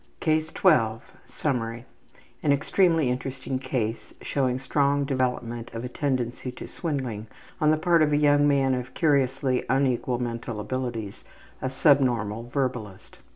CASE 12 Summary: An extremely interesting case showing strong development of a tendency to swindling on the part of a young man of curiously unequal mental abilities, a subnormal verbalist.